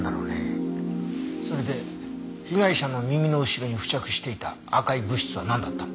それで被害者の耳の後ろに付着していた赤い物質はなんだった？